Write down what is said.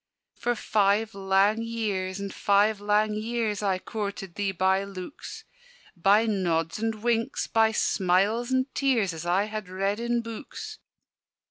"For five lang years, and five lang years, I coorted thee by looks; By nods and winks, by smiles and tears, As I had read in books.